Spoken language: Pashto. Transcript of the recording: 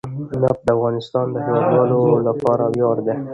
نفت د افغانستان د هیوادوالو لپاره ویاړ دی.